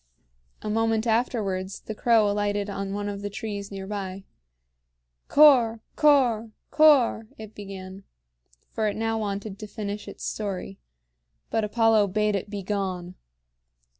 A moment afterwards the crow alighted on one of the trees near by. "Cor Cor Cor," it began; for it wanted now to finish its story. But Apollo bade it begone.